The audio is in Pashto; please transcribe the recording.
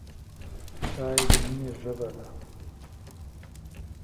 چای د مینې ژبه ده.